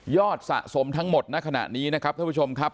สะสมทั้งหมดในขณะนี้นะครับท่านผู้ชมครับ